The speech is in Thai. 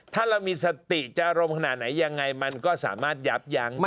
ถ้าเรามีสติจะอารมณ์ขนาดไหนยังไงมันก็สามารถยับยั้ง